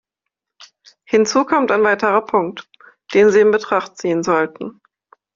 Hinzu kommt ein weiterer Punkt, den Sie in Betracht ziehen sollten.